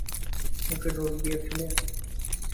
ওকে dose দিয়েছিলে?